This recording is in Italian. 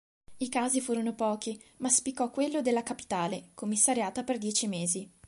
I casi furono pochi, ma spiccò quello della capitale, commissariata per dieci mesi.